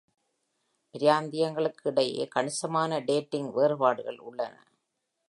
பிராந்தியங்களுக்கு இடையே கணிசமான டேட்டிங் வேறுபாடுகள் உள்ளன.